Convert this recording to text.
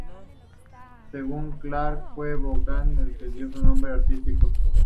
Según Clark, fue Bogart el que le dio su nombre artístico.